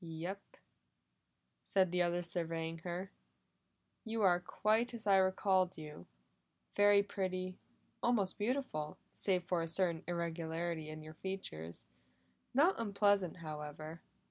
"Yes," said the other surveying her. "You are quite as I recalled you. Very pretty, almost beautiful, save for a certain irregularity in your features. Not unpleasant, however."